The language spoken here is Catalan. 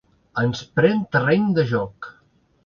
Ens pren terreny de joc.